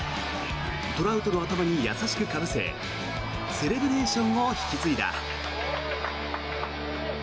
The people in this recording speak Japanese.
トラウトの頭に優しくかぶせセレブレーションを引き継いだ。